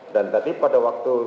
dan tadi pada waktu